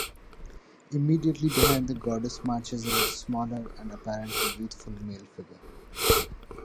Immediately behind the goddess marches a smaller and apparently youthful male figure.